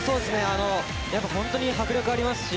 本当に迫力がありますし